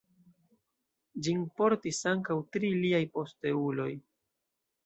Ĝin portis ankaŭ tri liaj posteuloj.